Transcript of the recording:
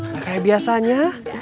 gak kayak biasanya